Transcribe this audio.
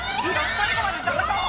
最後まで闘おう。